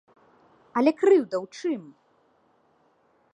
Але крыўда ў чым?